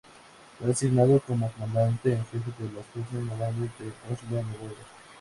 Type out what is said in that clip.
Fue asignado como comandante en jefe de las fuerzas navales en Oslo, Noruega.